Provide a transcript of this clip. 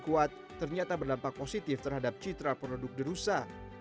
kuat ternyata berdampak positif terhadap citra produk derusa